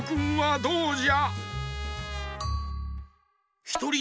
どうじゃ？